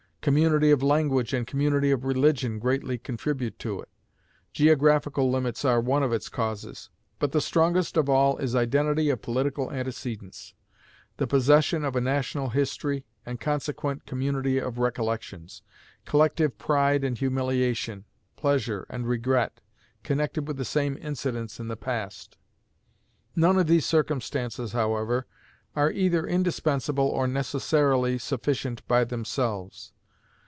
Community of language and community of religion greatly contribute to it. Geographical limits are one of its causes. But the strongest of all is identity of political antecedents; the possession of a national history, and consequent community of recollections; collective pride and humiliation, pleasure and regret, connected with the same incidents in the past. None of these circumstances, however, are either indispensable or necessarily sufficient by themselves.